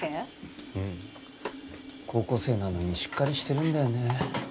高校生なのにしっかりしてるんだよね。